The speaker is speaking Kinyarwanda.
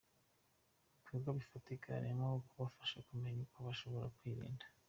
mu bikorwa bifatika harimo kubafasha kumenya uko bashobora kwirinda.